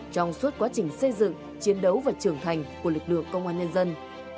trong suốt quá trình xây dựng chiến đấu và trưởng thành của lực lượng công an nhân dân